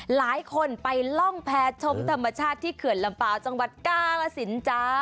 หลายคนไปล่องแพ้ชมธรรมชาติที่เขื่อนลำเปล่าจังหวัดกาลสินจ้า